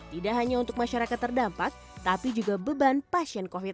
tidak hanya untuk masyarakat terdampak tapi juga beban pasien covid sembilan belas